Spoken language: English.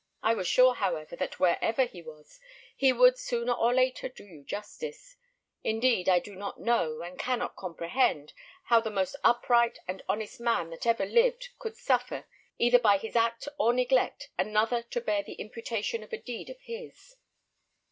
I was sure, however, that wherever he was, he would sooner or later do you justice; indeed, I do not know, and cannot comprehend, how the most upright and honest man that ever lived could suffer, either by his act or neglect, another to bear the imputation of a deed of his."